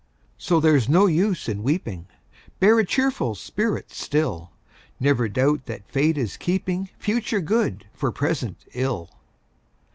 So there's no use in weeping, Bear a cheerful spirit still; Never doubt that Fate is keeping Future good for present ill!